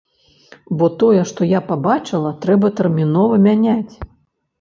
Бо тое, што я пабачыла, трэба тэрмінова мяняць.